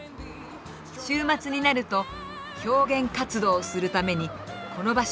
週末になると表現活動をするためにこの場所に来るんです。